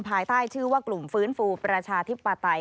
ภายใต้ชื่อว่ากลุ่มฟื้นฟูประชาธิปไตย